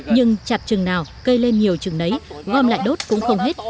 nhưng chặt chừng nào cây lên nhiều chừng nấy gom lại đốt cũng không hết